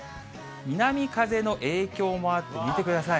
南風の影響もあって、見てください。